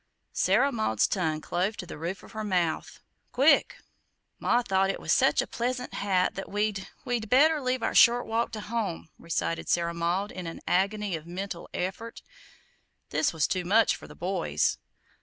Sarah Maud's tongue clove to the roof of her mouth. "Quick!" "Ma thought it was sech a pleasant hat that we'd we'd better leave our short walk to home," recited Sarah Maud, in an agony of mental effort. This was too much for the boys.